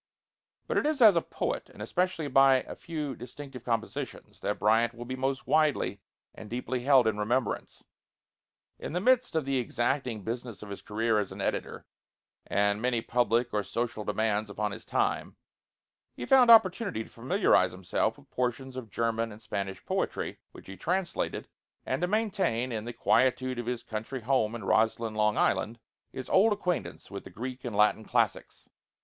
But it is as a poet, and especially by a few distinctive compositions, that Bryant will be most widely and deeply held in remembrance. In the midst of the exacting business of his career as an editor, and many public or social demands upon his time, he found opportunity to familiarize himself with portions of German and Spanish poetry, which he translated, and to maintain in the quietude of his country home in Roslyn, Long Island, his old acquaintance with the Greek and Latin classics.